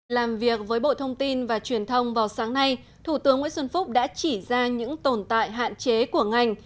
làm việc với bộ thông tin và truyền thông vào sáng nay thủ tướng nguyễn xuân phúc đã chỉ ra những tồn tại hạn chế của ngành